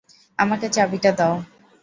আমাকে চাবিটা দাও!